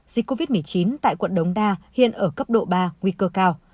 dịch covid một mươi chín tại quận đống đa hiện ở cấp độ ba nguy cơ cao